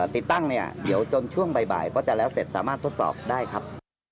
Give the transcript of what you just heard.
ติดตั้งเนี่ยเดี๋ยวจนช่วงบ่ายก็จะแล้วเสร็จสามารถทดสอบได้ครับ